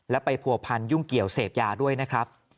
และไปผัวพันยุ่งเกี่ยวเสพยาด้วยนะครับ